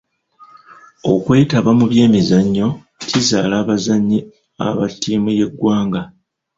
Okwetaba mu by'emizannyo kizaala abazannyi aba ttiimu y'eggwanga.